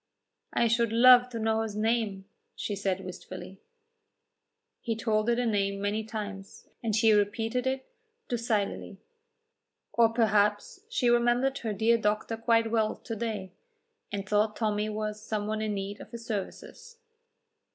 "I should love to know his name," she said wistfully. He told her the name many times, and she repeated it docilely. Or perhaps she remembered her dear doctor quite well to day, and thought Tommy was some one in need of his services.